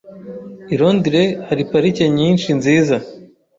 I Londres hari parike nyinshi nziza.